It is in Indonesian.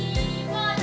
terima kasih pak hendrik